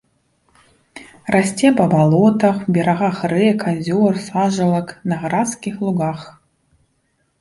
Расце па балотах, берагах рэк, азёр, сажалак, на гразкіх лугах.